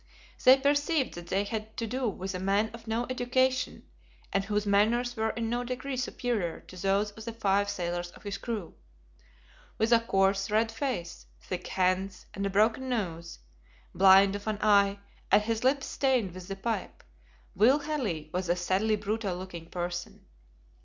They perceived that they had to do with a man of no education, and whose manners were in no degree superior to those of the five sailors of his crew. With a coarse, red face, thick hands, and a broken nose, blind of an eye, and his lips stained with the pipe, Will Halley was a sadly brutal looking person.